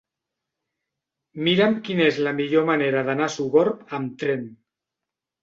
Mira'm quina és la millor manera d'anar a Sogorb amb tren.